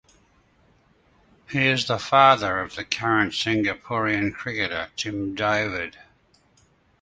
He is the father of the current Singaporean cricketer Tim David.